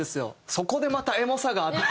そこでまたエモさがあって。